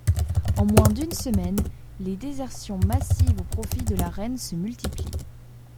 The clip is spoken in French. En moins d'une semaine, les désertions massives au profit de la reine se multiplient.